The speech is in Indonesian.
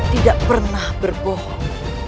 tidak pernah berbohong